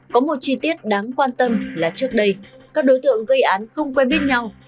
có một chi tiết đáng quan tâm là trước đây các đối tượng gây án không quen biết nhau